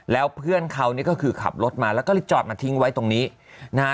แล้วเพื่อนเขานี่ก็คือขับรถมาแล้วก็เลยจอดมาทิ้งไว้ตรงนี้นะฮะ